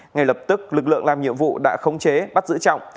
ngay lập tức lực lượng làm nhiệm vụ đã khống chế bắt giữ trọng